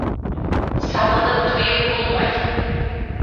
Сабынып туйып булмай.